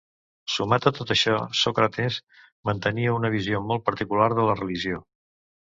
Sumat a tot això, Sòcrates mantenia una visió molt particular de la religió.